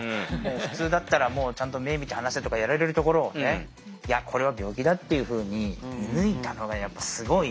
普通だったら「ちゃんと目見て話せ」とかやられるところをねいやこれは病気だっていうふうに見抜いたのがやっぱすごい。